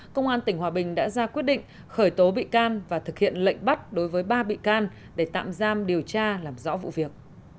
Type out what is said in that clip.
công an tỉnh hòa bình đã ra quyết định khởi tố bị can và thực hiện lệnh bắt đối với ba bị can để tạm giam điều tra làm rõ vụ việc